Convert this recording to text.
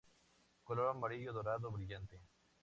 Color amarillo dorado brillante.